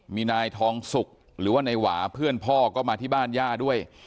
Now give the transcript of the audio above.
มีนายทองสุกหรือว่านายหวาเพื่อนพ่อก็มาที่บ้านย่าด้วย